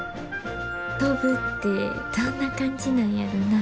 飛ぶってどんな感じなんやろな。